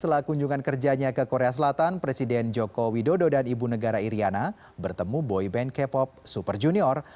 setelah kunjungan kerjanya ke korea selatan presiden joko widodo dan ibu negara iryana bertemu boyband k pop super junior